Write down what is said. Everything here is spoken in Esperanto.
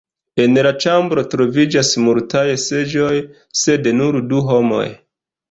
En la ĉambro troviĝas multaj seĝoj sed nur du homoj.